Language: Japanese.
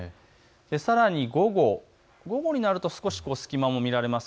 さらに午後になると少し隙間も見られます。